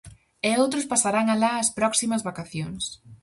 E outros pasarán alá as próximas vacacións.